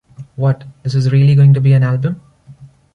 'What, this is really going to be an album?